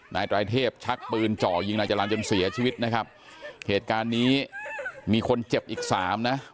นายไตรเทพชักปืนเจาะยิงนายจรรย์จนเสียชีวิตนะครับเหตุการณ์นี้มีคนเจ็บอีกสามนะ